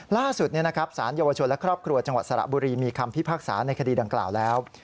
ล่าสุดสารเยาวชนและครอบครัวจังหวัดสระบุรีมีคำพิพากษาในคดีดังกล่าวแล้ว